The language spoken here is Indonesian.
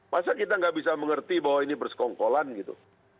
masa kita nggak bisa mengerti bahwa ini bersekongkolan gitu